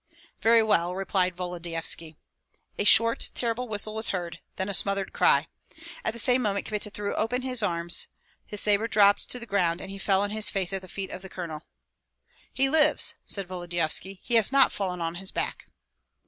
"Very well!" replied Volodyovski. A short terrible whistle was heard, then a smothered cry. At the same moment Kmita threw open his arms, his sabre dropped to the ground, and he fell on his face at the feet of the colonel. "He lives!" said Volodyovski; "he has not fallen on his back!"